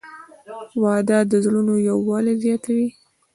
• واده د زړونو یووالی زیاتوي.